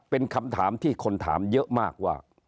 เป็นคำถามที่คนถามเยอะมากว่า